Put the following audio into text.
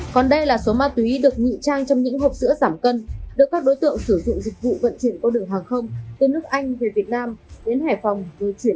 còn đây là số ma túy được nhị trang trong những hộp sữa giảm cân